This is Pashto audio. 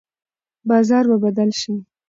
بازار به بدل شي.